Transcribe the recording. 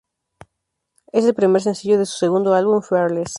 Es el primer sencillo de su segundo álbum, Fearless.